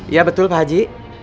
ya betul pak haji